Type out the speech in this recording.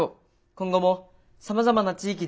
今後もさまざまな地域で。